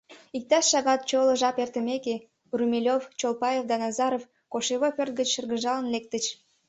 Иктаж шагат чоло жап эртымеке, Румелёв, Чолпаев да Назаров кошевой пӧрт гыч шыргыжалын лектыч.